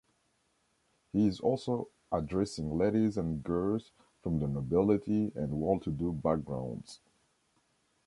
He is also addressing ladies and girls from the nobility and well-to-do backgrounds.